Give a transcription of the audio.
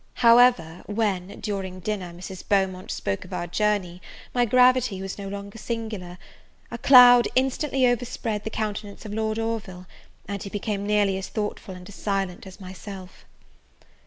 However, when, during dinner, Mrs. Beaumont spoke of our journey, my gravity was no longer singular; a cloud instantly overspread the countenance of Lord Orville, and he became nearly as thoughtful and as silent as myself.